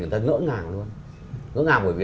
người ta ngỡ ngàng luôn ngỡ ngàng bởi vì